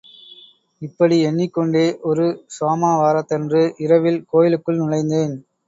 இப்படி எண்ணிக்கொண்டே ஒரு சோமவாரத்தன்று இரவில் கோயிலுக்குள் நுழைந்தேன்.